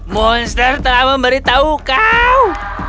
monster telah memberitahu kau